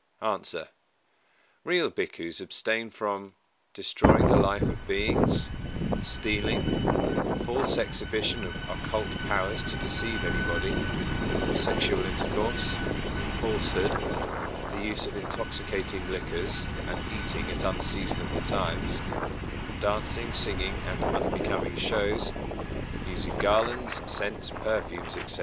_ A. Real Bhikkhus abstain from: Destroying the life of beings; Stealing; False exhibition of "occult" powers to deceive anybody; Sexual intercourse; Falsehood; The use of intoxicating liquors, and eating at unseasonable times; Dancing, singing, and unbecoming shows; Using garlands, scents, perfumes, etc.